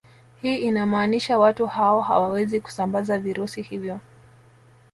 Hii inamaanisha watu hao hawawezi kusambaza virusi hivyo